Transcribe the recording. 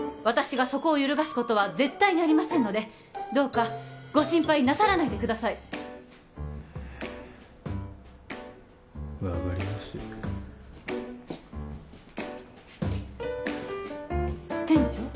私がそこを揺るがすことは絶対にありませんのでどうかご心配なさらないでくださいはあ分かりました店長？